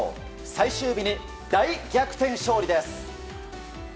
最終日に大逆転勝利です。